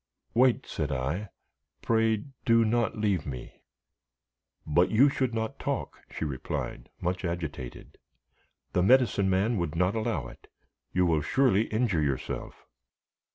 "Wait," said I; "pray do not leave me." "But you should not talk," she replied, much agitated; "the Medicine Man would not allow it; you will surely injure yourself."